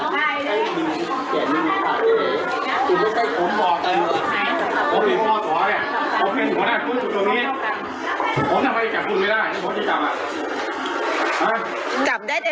อ๋อเจ้าสีสุข่าวของสิ้นพอได้ด้วย